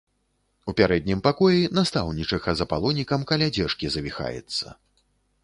У пярэднім пакоі настаўнічыха з апалонікам каля дзежкі завіхаецца.